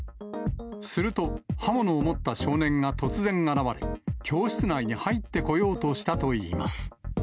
すると、刃物を持った少年が突然現れ、教室内に入ってこようとしたといいます。